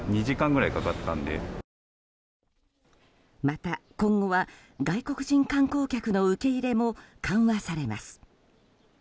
また今後は外国人観光客の受け入れも緩和されます。